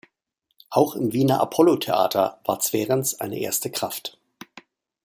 Auch im Wiener Apollo-Theater war Zwerenz eine erste Kraft.